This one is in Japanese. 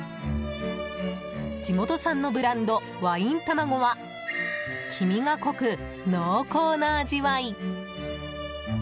地元産のブランドワインたまごは黄身が濃く濃厚な味わい。